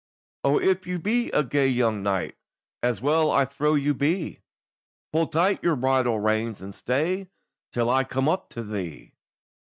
"O if you be a gay young knight, As well I trow you be, Pull tight your bridle reins, and stay Till I come up to thee."